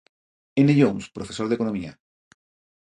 N. Jones profesor de economía.